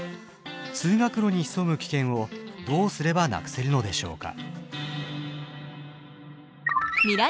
通学路に潜む危険をどうすればなくせるのでしょうか？